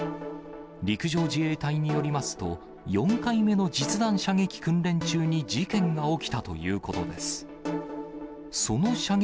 陸上自衛隊によりますと、４回目の実弾射撃訓練中に事件が起きたということです。